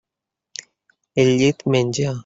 El llit menja.